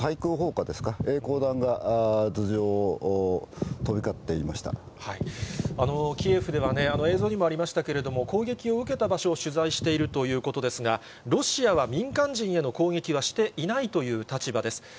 くう砲火ですか、えい光弾が頭上を飛び交っていまキエフでは映像にもありましたけれども、攻撃を受けた場所を取材しているということですが、ロシアは民間人への攻撃はしていないという立場です。